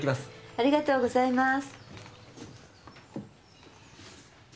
ありがとうございます。